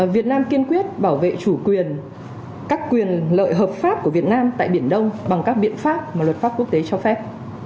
việt nam kiên quyết bảo vệ chủ quyền các quyền lợi hợp pháp của việt nam tại biển đông bằng các biện pháp mà luật pháp quốc tế cho phép